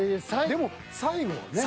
でも最後はね。